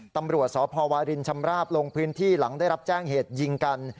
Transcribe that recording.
ตำรวจสพวารินชำราบลงพื้นที่หลังได้รับแจ้งเหตุยิงกัน